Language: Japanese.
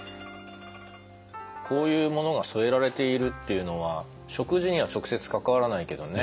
こういうものが添えられているっていうのは食事には直接関わらないけどね